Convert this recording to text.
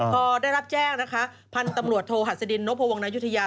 พอได้รับแจ้งนะคะพันธุ์ตำรวจโทหัสดินนพวงนายุธยา